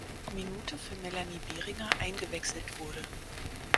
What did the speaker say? Minute für Melanie Behringer eingewechselt wurde.